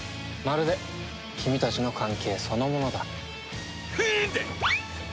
まるで君たちの関係そのものだ。ふーんだ！